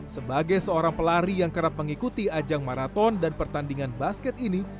sebagai seorang pelari yang kerap mengikuti ajang maraton dan pertandingan basket ini